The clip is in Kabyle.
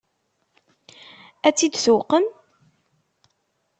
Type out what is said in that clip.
Ad tt-id-tuqem?